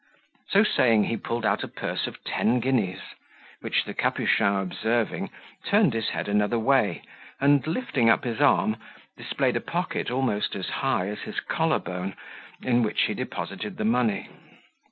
So saying he pulled out a purse of ten guineas, which the Capuchin observing, turned his head another way, and, lifting up his arm, displayed a pocket almost as high as his collar bone, in which he deposited the money.